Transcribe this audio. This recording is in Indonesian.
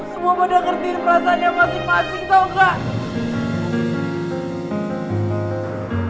semua pada ngerti perasaan yang masing masing tau gak